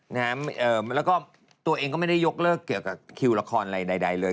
แล้วก็ตัวเองก็ไม่ได้ยกเลิกเกี่ยวกับคิวละครอะไรใดเลย